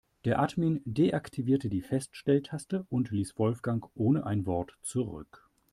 Der Admin deaktivierte die Feststelltaste und ließ Wolfgang ohne ein Wort zurück.